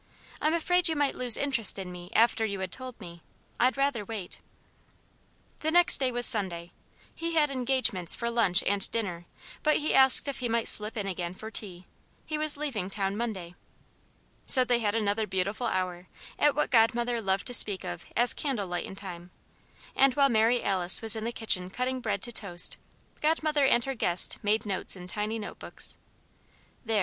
"I'm afraid you might lose interest in me after you had told me. I'd rather wait." The next day was Sunday. He had engagements for lunch and dinner, but he asked if he might slip in again for tea; he was leaving town Monday. So they had another beautiful hour, at what Godmother loved to speak of as "candle lightin' time," and while Mary Alice was in the kitchen cutting bread to toast, Godmother and her guest made notes in tiny note books. "There!"